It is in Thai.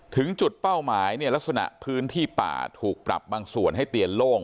ถึงจุดเป้าหมายเนี่ยลักษณะพื้นที่ป่าถูกปรับบางส่วนให้เตียนโล่ง